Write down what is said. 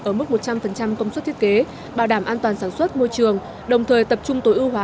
ở mức một trăm linh công suất thiết kế bảo đảm an toàn sản xuất môi trường đồng thời tập trung tối ưu hóa